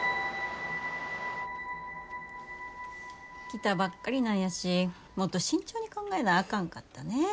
来たばっかりなんやしもっと慎重に考えなあかんかったね。